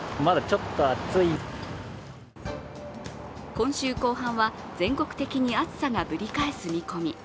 今週後半は、全国的に暑さがぶり返す見込み。